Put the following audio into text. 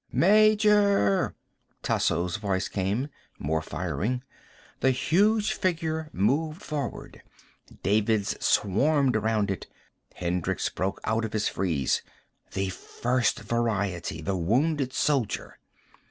"Major!" Tasso's voice came. More firing. The huge figure moved forward, Davids swarming around it. Hendricks broke out of his freeze. The First Variety. The Wounded Soldier.